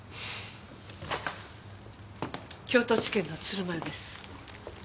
京都地検の鶴丸です。